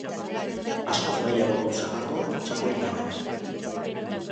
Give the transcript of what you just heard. Askoz nahiago dut sagardoa, txakolina baino.